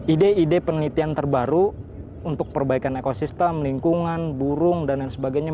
ide ide penelitian terbaru untuk perbaikan ekosistem lingkungan burung dan lain sebagainya